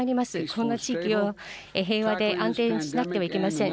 この地域を平和で安定にしなくてはいけません。